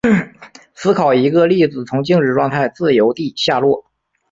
思考一个粒子从静止状态自由地下落。